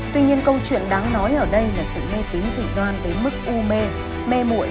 tuy nhiên câu chuyện đáng nói ở đây là sự mê tín dị đoan đến mức u mê mê mụi